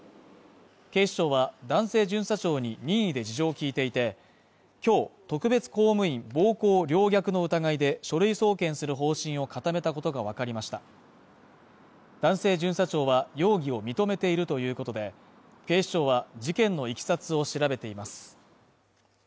警視庁は男性巡査長に任意で事情を聞いていて、今日、特別公務員暴行陵虐の疑いで書類送検する方針を固めたことがわかりました男性巡査長は容疑を認めているということで警視庁は事件のいきさつを調べています。